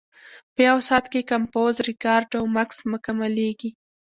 په یو ساعت کې کمپوز، ریکارډ او مکس مکملېږي.